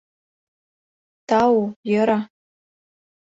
— Тау, йӧра.